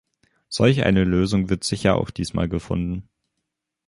Solch eine Lösung wird sicher auch diesmal gefunden.